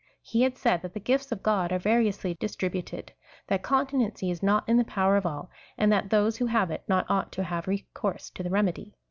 He had said that the gifts of God are variously distributed — that conti nency is not in the poAver of all, and that those who have it not ought to have recourse to the remedy.